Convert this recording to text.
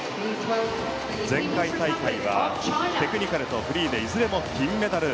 前回大会はテクニカルとフリーでいずれも金メダル。